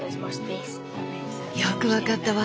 よく分かったわ。